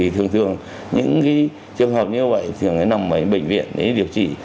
thường thường những trường hợp như vậy thường nằm ở bệnh viện để điều trị